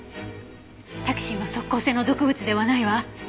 タキシンは即効性の毒物ではないわ。